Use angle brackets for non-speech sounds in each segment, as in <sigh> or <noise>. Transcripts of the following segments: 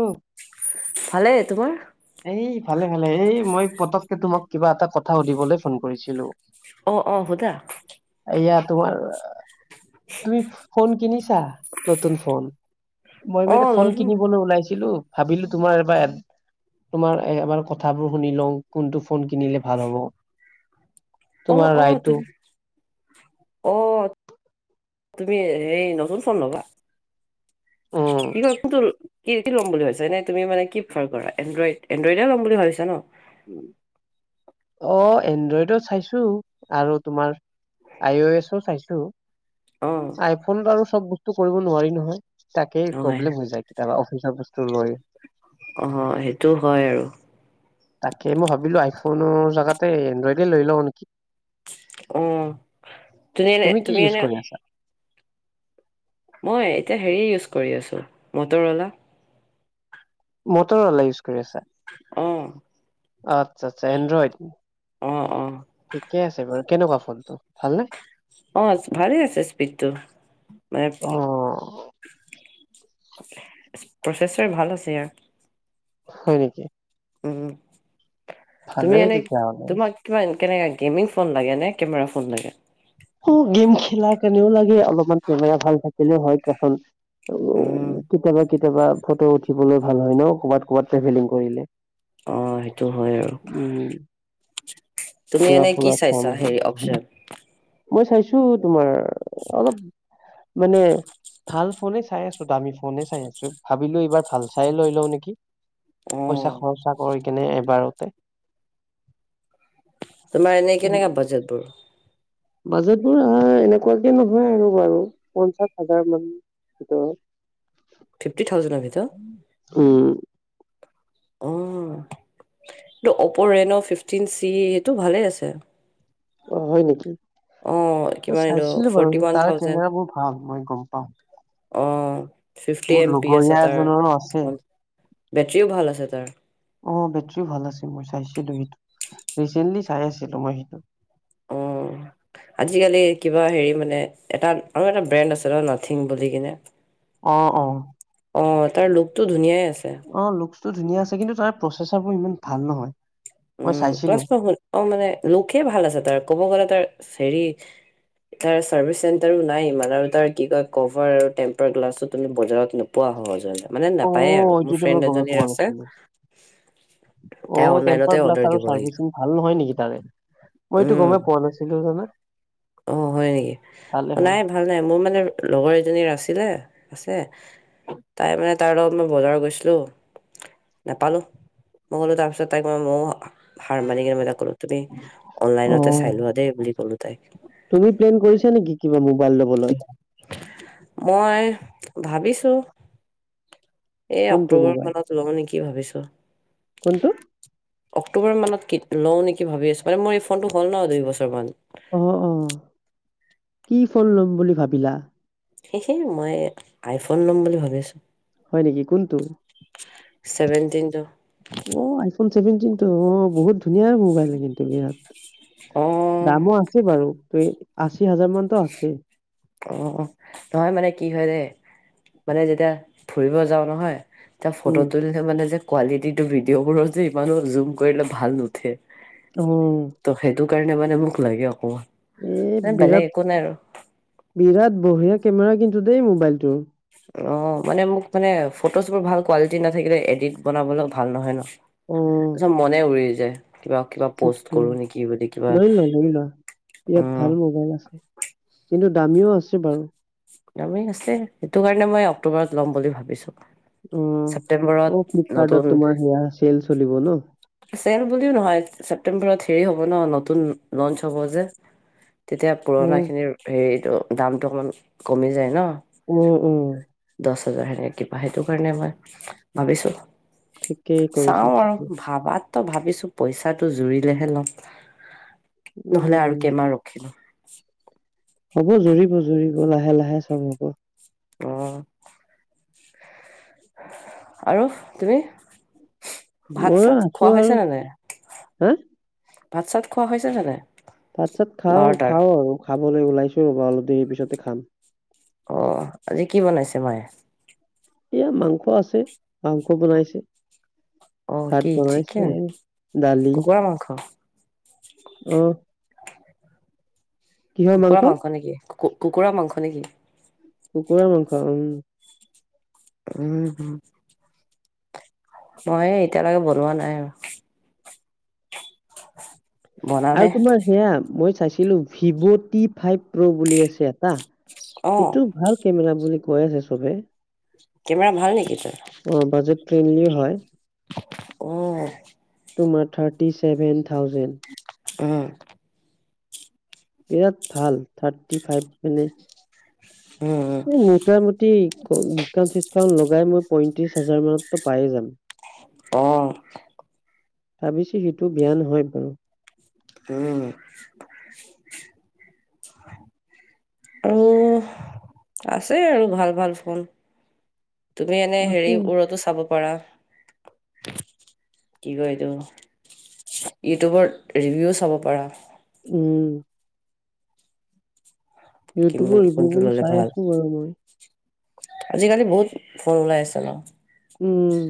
অ'। ভালে তোমাৰ এই ভালে, ভালে এই মই পতককে তোমাক কিবা এটা কথা সুধিবলৈ ফোন কৰিছিলো। অ', অ', শুধা। এয়া তোমাৰ তুমি ফোন কিনিছা নতুন ফোন? মই অ ব এটা ফোন ললো কিনিবলৈ ওলাইছিলো ভাবিলো তোমাৰ এবাৰ তোমাৰ আমাৰ কথাবোৰ শুনি লওঁ কোনটো ফোন কিনিলে ভাল হ'ব। তোমাৰ অ', অ', ৰায়টো তি অ'। তুমি হে নতুন ফোন ল'বা? অ'। কি ক কিন্তু কি ল'ম বুলিাবছ এনে তুমি মানে কি ফাৰ কৰা এনড্ৰইড এনড্ৰইডে লম বুলি ভাবছা ন'। উম। অ', এনড্ৰইডো চাইছো আৰু তোমাৰ আই অ' এছও চাইছো। অ আইফোনত আৰু চব বস্তু কৰিব নোৱাৰি নহয় তাকেই হয় প্ৰব্লেম হৈ যায় কেতিয়াবা অফিচৰ বস্তু লৈ অ', সেইটো হয় আৰু। তে মই ভাবিলো আইফোনৰ জেগাতে এড্ৰইডে লৈ লওঁ নেকি। অ', তুমি এনে, কি তুমি ইউজ এনে কৰি আছা? মই এতিয়া হেৰি ইউজ কৰি আছো মটৰৱালা। মটৰৱালা ইউজ কৰি আছা। অ'। আচ্ছা, আচ্ছা এণ্ড্ৰইড অ অ ঠিকে আছে বাৰু। কেনেকুৱা ফোনটো ভালনে? অ', ভালেই আছে স্পিতটো মে অ প্ৰচেছৰ ভাল আছে ইয়াৰ। হয় নেকি? উম, তুমি ভালেই এনে তেতিয়াহ'লে। তোমাক কিমান কেনেকে গেমিং ফোন লাগে নে কেমেৰা ফোন লাগে? অ', গেম খেলা কাৰণেও লাগে অলপমান কেমেৰা ভাল থাকে। নে হয় কে উম কেতিয়াবা কেতিয়াবা ফটো উঠিবলৈ ভাল হয় ন' ক'বাত ক'ৰবাত ট্ৰেভেলিং কৰিলে। অ', সেইটো হয় আৰু। উম তুমি ঘুৰা এনে কি ফুৰা কাম চাইছা আহে হেৰি অপচন? মই চাইছো তোমাৰ অলপ মানে ভাল ফোনে চাই আছো দামি ফোনে চাই আছো ভাবিলো এইবাৰ ভাল চাই লৈ লওঁ নেকি। অ পইচা খৰচা কৰি কেনে এবাৰতে তোমাৰ এনেই কেনেকা বাজেট বোৰ? বাজেট বোৰ এনেকুৱাকে নহয় আৰু বাৰু পঞ্চাশ হাজাৰ মা ন্ত ফিফটি থাউজেণ্ডৰ ভিতৰত উম, উ এইটো অপ' ৰেন' ফিফটিন চি সেইটো ভালে আছে অ হয় নেকি অ সটো কিমান এইটো চাইছিলো বাৰু ফৰ্টি সি ওৱান তাৰ থাউজেণ্ড কেমেৰাবোৰ ভাল মই গম পাও অ ফিফটি বহুত এম পি আছে লগৰীয়া তাৰ এজো আছে বেটৰীও ভাল আছে তাৰ অ বেটৰীও ভাল আছিল মই চাইছিলো সেইটো ৰিচেণ্টলি চাই আছিলো মই সেইটো অ আজিকালি কিবা হেৰি মানে এটা আ এটা ব্ৰেণ্ড আছে ন নাথিং বুলি কিনে অ অ অ তাৰ লুোকতটো ধুনীয়াই আছে অ লুকচটো ধুনীয়া আছে কিন্তু তাৰ প্ৰচেচাৰ বোৰ ইমান ভাল নহয় মই উম প চাইছিলো ম শু অ মানে লোকে ভাল আছে তাৰ ক'ব গ'লে তাৰ হেৰি াৰ চাৰ্ভিচ চেন্টাৰো নাই ইান তাৰ কি কয় কভাৰ আৰু টেম্পাৰ গ্লাছো তুমি বজাৰত নোপোৱা সহজ মানে নাপায় আৰু অ' মোৰ এইটোতো ফ্ৰেড মই এজন গমেই পোৱা আছে নাছিলো। তেওঁ াছ অনলাইনত আৰু চাৰ্ভিচিং ভাল নহয় নেকি তাৰে মইতটো উম গমেই পোৱা নাছিলো জানো অ হয় নেকি হ'ল। নাই ভাল নাই মোৰ মানে লগৰ এজনীৰ আছে আছে তাই মানে তাৰ লগত মই বজাৰত গৈছিলো নোপালো মই গ'লো তাৰপিছত তাইক মই ম হাৰ মানি কিনে মই এটা কলো তুমি অনলাইনতে অ'। চাই লোৱা দেই বুলি কলো তাই তুমি প্লেন কৰিছ নেকি কিবা ম মই ভাবিছো এই কোনটো অক্টোবৰ মোবাইল মানত ব নে কি ভাবিছো কোনটো? অক্টোবৰ মানত কি লওঁ নেকি ভাবি আছোঁ মান মোৰ ৰিফাণ্ডটো হ'ল ন দুই বছৰমান অ অ কি ফল লম বুলি ভাবিলা সেহে মই আইফোন লম বুলি ভাবিছো হয় নেকি কোনটো ছেভেনটিনটো অ আইফোন ভেনটিন টো অ বহুত ধুনীয়া মোবাইল কিন্তু বিৰাট অ দামো আছে বাৰু ত আশী হাজাৰ মানতো আছে অ নহয় মানে কি হয় দেই মানে যেতিয়া ফুৰিব যাও নহয় এ ফটো উম। তুলে মানে যে কোৱালিটিটো ভিডিঅ' বোৰৰ যে ইমানো জুম কৰিলে ভাল নুঠে উম ত' সেইটো কাৰণে মানে মোক লাগে অকমান ম বিৰাট বেলেগ একো নাই আৰু বিৰাট বঢ়িয়া কেমেৰা কিন্তু দেই মোবাইলটোৰ অ মানে মোক মানে ফটোজবোৰ ভাল কোৱালিটি নাথাকিলে এডিট বনাবলৈ ভাল নহয় ন তাৰছত মনে উৰি যায় কিবা কিবা প'ষ্ট কৰো নেকি বুলি কিবা গ ন গ ন ইয়াত উম ভাল মোবাইল আছে কিন্তু দামীও আছে বাৰু দামেই আছে সেইটো কাৰণে মই অক্টোবৰত ল'ম বুলি ভাবিছো অ ছেপ্তেম্বৰত অ নতুন ফ্লিপকাৰ্টত তোমাৰ সেয়া চেল চলিব ন চেল বুলিও নহয় ছেপটেম্বৰত হেৰি হ'ব ন নতুন লঞ্চ হ'ব যে তেতিয়া উম পুৰণাখিনিৰ হেৰিটো দামটো অকণমান কমি যায় ন উম উম েনে কিবা সেইটো কাৰণে মই ভাবিছো ঠিকেই কৰি বাত তো ভাবিছো পইচাটো জুৰিলেহে লম নহলে আৰু উম, কেমা ৰখিব হ'ব জুৰিব জুৰিব লাহে লাহে চব হব অ আৰু তুমি ভাত ময়ো আছো আৰু হা চাত খোৱা তাৰপিছত খাও বাৰটাৰ খাওঁ আৰু খাবলৈ ওলাইছো ৰ'বা অলপ দেৰি পিছতে খাম অ আজি কি বনাইছে মায়ে এয়া মাংস আছে মাংস বনাইছে অ ভাত কি বনাইছে চিকেন দালি কুকুৰা মাংস আহ কুকুৰা মাংস নেকি ক কুকুৰাৰ মাংস নেকি কুকুৰাৰ মাংস উম উম হম মই এতিয়ালৈকে বনোৱা নাই আৰু <unintelligible> আৰু তোমাৰ সেয়া মই চাইছিলো ভিভ টি ফাইভ প্ৰ বুলি আছে এটা অ সেইটো ভাল কেমেৰা বুলি কৈ আছে চবে কেমেৰা ভাল নেকি তাত ফ্ৰেণ্ডলি হয় উ তোমাৰ থাৰ্টি চছেভেন থাউজেণ্ড উম বিৰাট ভাল থাৰ্টি ফাইভ মানে উম উম মোটামুটি ডিকাট চ খন লগাই মই পঁয়ত্ৰিশ হাজাৰ মানততো পায়েই যাম অ ভাবিছোঁ সিটো বিয়া নহয় বাৰু স আৰু আছে আৰু ভাল ভাল ফোন তুমি এনে আছে হেৰি ৰতো চাব পাৰা কি কয় এইটো ইউটিউবৰ ৰিভিউ চাব পাৰা উম কিমান ইউটিউবৰ ইউ কোনটো বোলো ললে চাই ভাল আছো বাৰু মই আজিকালি বহুত ফোন ওলাই আছে ন উম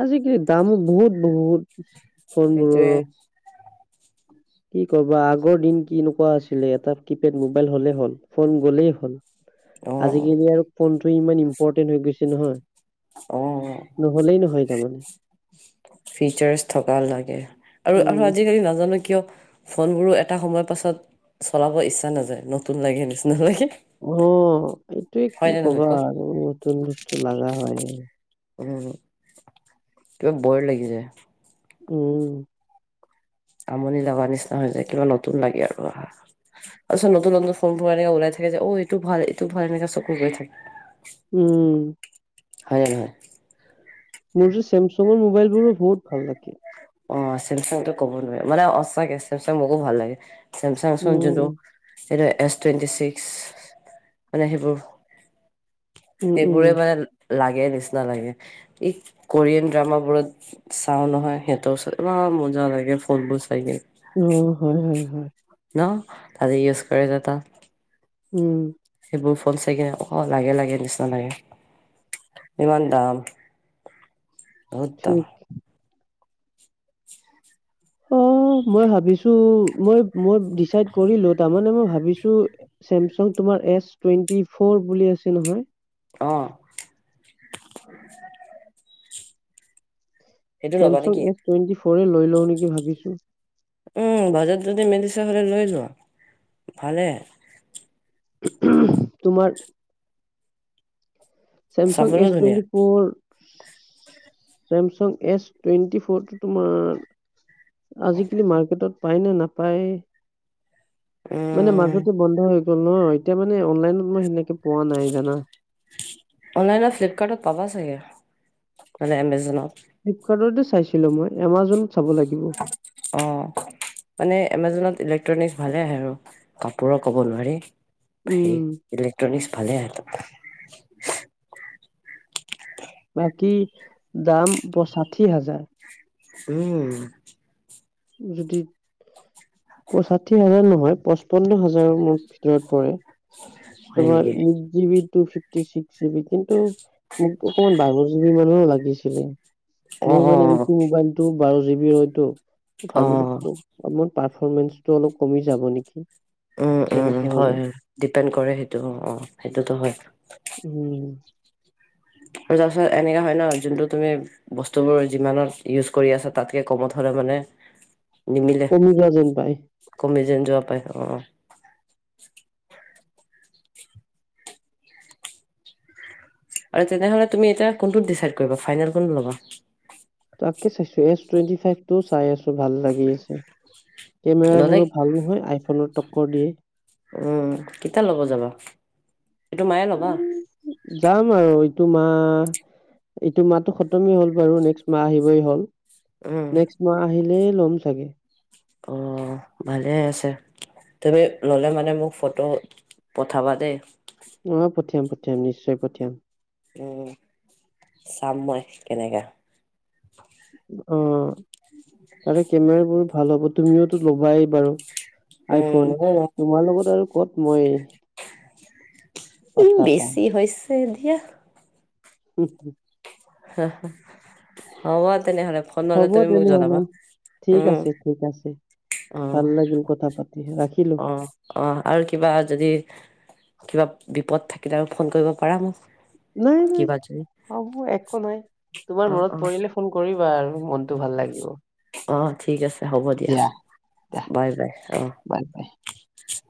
আজিকালি দামো বহুত বহুত ফোন সেইটোৱে বোৰৰো কি কবা আগৰ দিন কিনেকুৱা আছিলে এটা কিপেড মোবাইল হলেই হ'ল ফোন গলেই হ'ল অ আজিকালি আৰু ফোনটো ইমান ইম্পৰ্টেন্ট হৈ গৈছে নহয় অ নহ'লেই নহয় তাৰমানে ফিচাৰ্চ থকা লাগে আৰু আৰু উম আজিকালি নাজানো কিয় ফোনবোৰো এটা সময়ৰ পাছত চলাব ইচ্ছা নাযায় নতুন লাগে নিচিনা লাগে আহ এইটয়ে হয় কি নে নহয় কবা কোৱা আৰু নতুন বস্তু লগা হয় উ কিবা বই লাগি যায় উম আমনি লগা নিচিনা হৈ যায় কিবা নতুন লাগে আৰু আহা তাৰপিছত নতুন নতুন ফোন ফ এনেকে ওলাই থাক থাকে অ এইটো ভাল এইটো ভাল মজা চকু গৈ থাকে উম, হয় হয় মোৰ চেমচুংঙৰ মোবাইলবোৰো বহুত ভাল লাগে অ চেমচাং তটো ক'ব নোৱাৰি মানে সঁচাকে চেমচাং মোকো ভাল লাগে <unintelligible> যটো উম, সটো এছ টুৱেণ্টি ছিক্স মানে সেইবোৰ উম, উম, সেইবোৰে মানে লাগে নিচিনা লাগে ই কোৰিয়ান ড্ৰামাবোৰত চাওঁ নহয় সেই তছত এবাৰ মজা লাগে ফোনবোৰ চাই অ হয় হয় হয় ন আজি ইউজ কৰে যে তা উম এইবোৰ ফোন চাই কিনে অ লাগে লাগে নিচিনা লাগে ইমান দাম বহুত দাম ঠিক। অ মই ভাবিছো মই মই ডিচাইড কৰিলো তাৰমানে মই ভাবিছো চেমচাং তোমাৰ এছ টুৱেণ্টি ফৰ বুলি আছে নহয় অ সেইটো ল'বা চেমচুং নেকি এছ টুৱেণ্টি ফৰে লৈ লওঁ নেকি ভাবিছো উম বজাৰ যদি মেডিচা হলে লৈ লোৱা ভালে তোমাৰ চেমচাং এছ চাবলৈও ধুনীয়া twenty four Samsung S twenty ফৰটো তোমাৰ আজিকালি মাৰ্কেটত পায় নে নাপায় মানে উম মাজতে বন্ধ হৈ গ ন এতিয়া মানে অনলাইনত মই সেনেকে পোৱা নাই জানা অনলাইনত ফ্লিপকাৰ্টত পাবা চাগে নহ'লে এমেজনত ফ্লিপকাৰ্টতে চাইছিলো মই এমাজন অ মানে এমাজনত ইলেকট্ৰনিক্স ভালে আহে আৰু কাপোৰৰ ক'ব নোৱাৰি উম ইলেক্ট্ৰনিক্স ভালে আহে বাকী দাম ষাঠি হাজাৰ উম যদি পষাঠি হাজাৰ নহয় পচপন্ন হাজাৰ ভিতৰত পৰে হয় নেকি তোমাৰ two fifty six G B কিন্তু মোক অকমান বাৰ জিবি মানৰ লাগিছিলে অ মোৰ মানে ইটো অ মোবাইলটো বাৰ জি বি হয়তো অ ভাবিলো পাফমেঞ্চটো অলপ কমি যাব নেকি উম উম তেনেকে হলে হয় ডিপেণ্ড কৰে সেইটো অ সেইটোতো হয় উম আৰু তাৰপিছত এনেকা হয় ন যোনটো তুমি বস্তুবোৰ যিমানত ইউজ কৰি আছা তাতকে কমত হ'ল মানে নিমিলে কমি যোৱা যেন পাই কম যোৱা পাই অ আৰু তেনেহলে তুমি এতিয়া কোনটো ডিচাইড কৰিবা ফাইনেল কোনটো ল'বা তাকে চাইছো এছ টুৱেণ্টি ফাইভ টো চাই আছো ভাল লাগি আছে ল'বা ল'লে কেমেৰাবোৰো ভাল নহয় আইফোনৰ টক্কৰ দিয়ে উম কেতিয়া ল'ব যাবা এইটো মায়ে ল'বা উম যাম আৰু এইটো মাহ এইটো মাহটো খতমেই হ'ল বাৰু নেক্সট মাহ আহিবই হ'ল উম নেক্সট মাহ আহিলেই লম চাগে অ ভালে আছে তুমি ললে মানে মোক ফটো পঠাবা দেই অ পঠিয়াম পঠিয়াম নিশ্চয় পঠিয়াম উম চাম মই কেনেকা অ তাৰে কেমেৰাবোৰ ভাল হ'ব তুমিওতো ল'বাই বাৰু উম, আইফোন তোমাৰ লগত আৰু কত মই ই পাত্তা পাম বেছি হৈছে দিয়া উম <inaudible> হ'ব তেনেহলে ফোন ললে হ'ব তুমি মোক তেনেহ'লে জনাবা ঠিক উম আছে ঠিক আছে অ', ভাল লাগিল কথা পাতি ৰাখি- অ' আৰু কিবা যদি কিবা বিপদ থাকিলে আৰু ফোন কৰিব পাৰা মোক। নাই-নাই কিবা যদি হব একো নাই তোমাৰ অ', মনত অ', পৰিলে ফোন কৰিবা আৰু মন অ' ঠিক আছে হ'ব দিয়া। দিয়া বাই-বাই বাই বাই। অ'